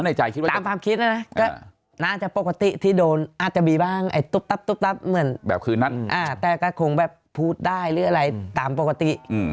ตามความคิดนะน่าจะปกติที่โดนอาจจะมีบ้างแบบคืนนั้นแต่ก็คงแบบพูดได้หรืออะไรตามปกติ